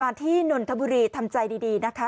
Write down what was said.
ที่นนทบุรีทำใจดีนะคะ